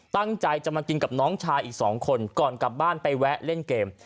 ตั้งใจจะมากินกับน้องชายอีก๒คนก่อนกลับบ้านไปแวะเล่นเกม